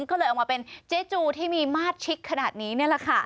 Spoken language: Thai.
ก็เลยเอามาเป็นเจ๊จูที่มีมาตรชิคขนาดนี้นี่แหละค่ะ